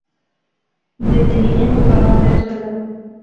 Desde niña jugaba a ser soldado.